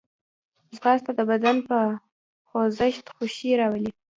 ځغاسته د بدن په خوځښت خوښي راولي